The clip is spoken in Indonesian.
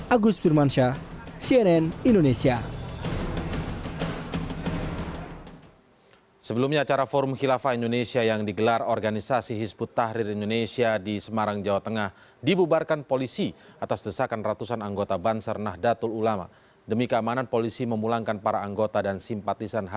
agus firman syah cnn indonesia